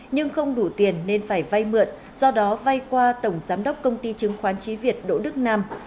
nhưng không đủ tiền nên phải vay mượn do đó vay qua tổng giám đốc công ty chứng khoán trí việt đỗ đức nam